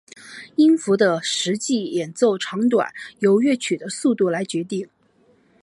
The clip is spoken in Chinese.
音符的实际演奏长短由乐曲的速度来决定。